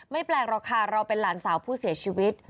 แปลกหรอกค่ะเราเป็นหลานสาวผู้เสียชีวิต